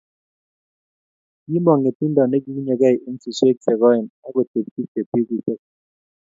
Kimong ngetundo nekiunyekei eng suswek che koen akotepchi cheptikirchet